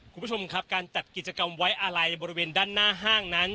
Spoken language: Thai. คุณผู้ชมครับการจัดกิจกรรมไว้อาลัยบริเวณด้านหน้าห้างนั้น